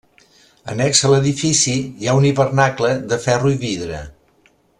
Annex a l'edifici hi ha un hivernacle de ferro i vidre.